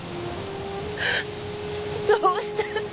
どうして。